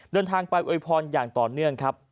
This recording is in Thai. เดินทางไปอวยพรอย่างต่อเนื่องครับ